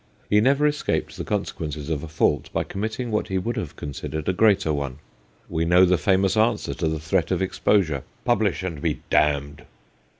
He never escaped the conse quences of a fault by committing what he would have considered a greater one. We know the famous answer to the threat of exposure :' Publish, and be damned